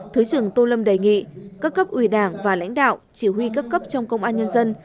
thứ trưởng tô lâm đề nghị các cấp ủy đảng và lãnh đạo chỉ huy các cấp trong công an nhân dân